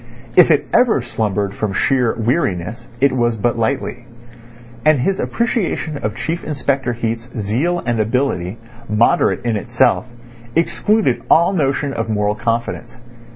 If it ever slumbered from sheer weariness, it was but lightly; and his appreciation of Chief Inspector Heat's zeal and ability, moderate in itself, excluded all notion of moral confidence.